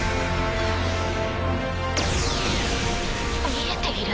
見えている？